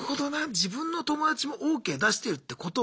自分の友達もＯＫ出してるってことは。